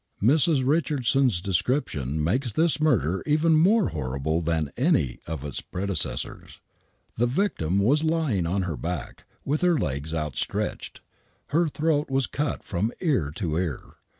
Mrs. Richardson's description makes this murder even more horrible than any of its predecessors. The victim was lying on her back,, with her legs outstretched. Her throat was cut from ear to ear.